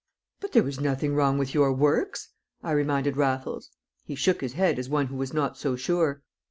"But there was nothing wrong with your works," I reminded Raffles; he shook his head as one who was not so sure.